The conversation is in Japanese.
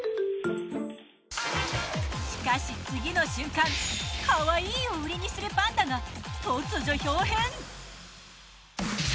しかし次の瞬間かわいいを売りにするパンダが。